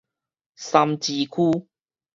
三芝區